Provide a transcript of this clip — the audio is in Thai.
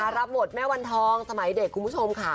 รับบทแม่วันทองสมัยเด็กคุณผู้ชมค่ะ